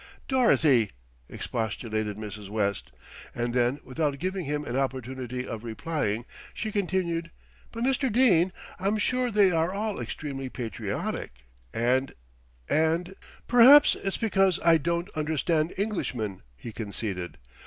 "Dorothy!" expostulated Mrs. West, and then without giving him an opportunity of replying, she continued: "but, Mr. Dene, I'm sure they are all extremely patriotic and and " "Perhaps it's because I don't understand Englishmen," he conceded.